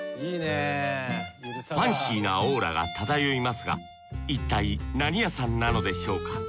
ファンシーなオーラが漂いますがいったい何屋さんなのでしょうか？